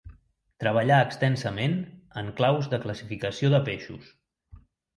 Treballà extensament en claus de classificació de peixos.